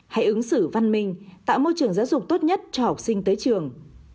hãy ứng xử văn minh tạo môi trường giáo dục tốt nhất cho học sinh tới trường